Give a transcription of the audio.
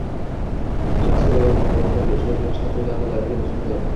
shaxsga doir ma’lumotlarga ishlov berishda qo‘llaniladigan usullar;